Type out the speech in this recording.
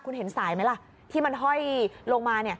คุณเห็นสายไหมล่ะที่มันห้อยลงมา